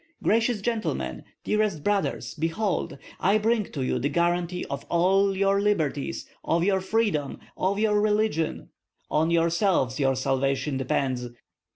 Gracious gentlemen, dearest brothers, behold, I bring to you the guarantee of all your liberties, of your freedom, of your religion. On yourselves your salvation depends.